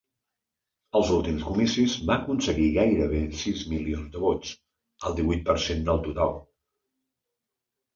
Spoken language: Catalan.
Als últims comicis va aconseguir gairebé sis milions de vots, el divuit per cent del total.